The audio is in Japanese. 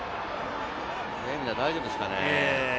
レミナ大丈夫ですかね？